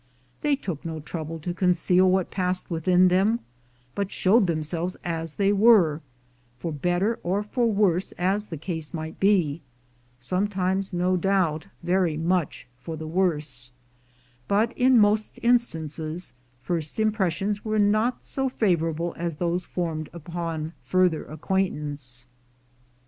They took no trouble to con ceal what passed within them, but showed themselves as they were, for better or for worse as the case might be — sometimes, no doubt, very much for the worse; but in most instances first impressions were not so favorable as those formed upon further acquaintance.